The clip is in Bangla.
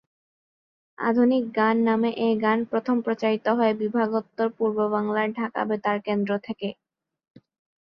আধুনিক গান নামে এ গান প্রথম প্রচারিত হয় বিভাগোত্তর পূর্ববাংলার ঢাকা বেতার কেন্দ্র থেকে।